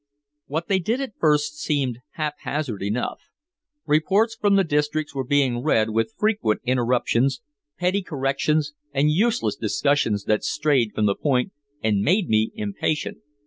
What they did at first seemed haphazard enough. Reports from the districts were being read with frequent interruptions, petty corrections and useless discussions that strayed from the point and made me impatient.